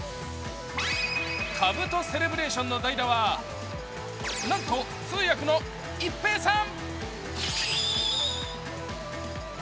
かぶとセレブレーションの代打は、なんと通訳の一平さん。